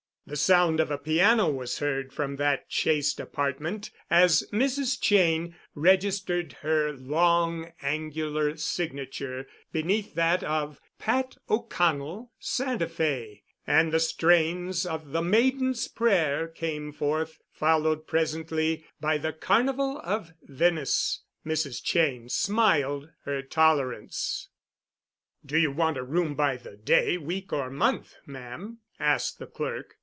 The sound of a piano was heard from that chaste apartment as Mrs. Cheyne registered her long angular signature beneath that of "Pat O'Connell, Santa Fe"; and the strains of "The Maiden's Prayer" came forth, followed presently by the "Carnival of Venice." Mrs. Cheyne smiled her tolerance. "Do you want a room by the day, week or month, ma'am?" asked the clerk.